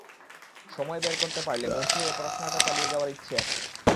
সময় বের করতে পারলে ভর্তি হয়ে পড়াশোনাটা চালিয়ে যাওয়ার ইচ্ছে আছে।